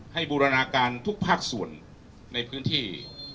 บูรณาการทุกภาคส่วนในพื้นที่